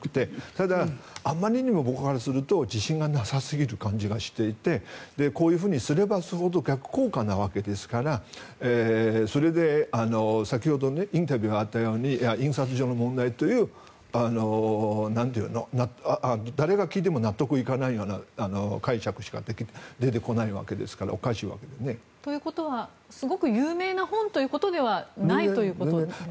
ただ、あまりにも僕からすると自信がなさすぎる感じがしていてこういうふうにすればするほど逆効果なわけですから先ほどインタビューがあったように印刷上の問題という誰が聞いても納得いかないような解釈しか出てこないわけですからということはすごく有名な本ではないということですね。